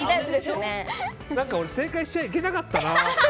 俺、正解しちゃいけなかったな。